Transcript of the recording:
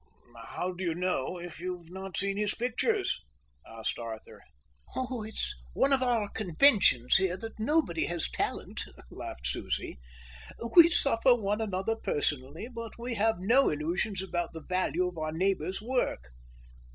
"How do you know, if you've not seen his pictures?" asked Arthur. "Oh, it's one of our conventions here that nobody has talent," laughed Susie. "We suffer one another personally, but we have no illusions about the value of our neighbour's work."